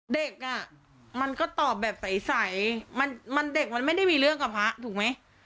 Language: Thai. เด็กอ่ะมันก็ตอบแบบใสมันเด็กมันไม่ได้มีเรื่องกับพระถูกไหม